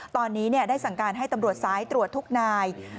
ตอนนี้ได้สั่งการให้ตำรวจสายตรวจทุกนาย